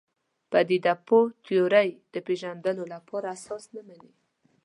پدیده پوه تیورۍ د پېژندلو لپاره اساس نه مني.